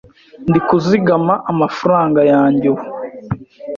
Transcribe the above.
'Ndikuzigama amafaranga yanjye ubu'